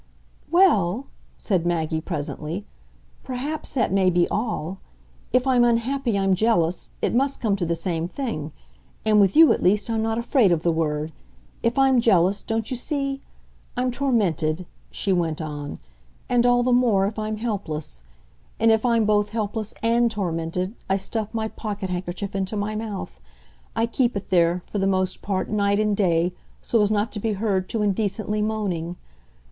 "Well," said Maggie presently, "perhaps that may be all. If I'm unhappy I'm jealous; it must come to the same thing; and with you, at least, I'm not afraid of the word. If I'm jealous, don't you see? I'm tormented," she went on "and all the more if I'm helpless. And if I'm both helpless AND tormented I stuff my pocket handkerchief into my mouth, I keep it there, for the most part, night and day, so as not to be heard too indecently moaning.